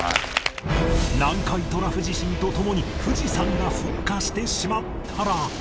南海トラフ地震と共に富士山が噴火してしまったら